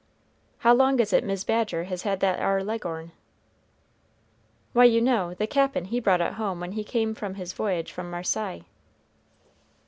"How long is it Mis' Badger has had that ar leg'orn?" "Why, you know, the Cap'n he brought it home when he came from his voyage from Marseilles.